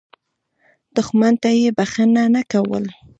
دښمن ته یې بخښنه نه کول.